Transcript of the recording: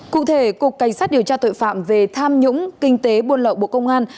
cụ thể cục cảnh sát điều tra tội phạm về tham nhũng kinh tế buôn lậu bộ công an